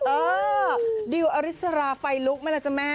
เออเดี๋ยวอฤษฎาไฟลุคไหมล่ะจ้ะแม่